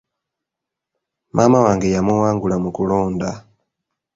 Maama wange yamuwangula mu kulonda.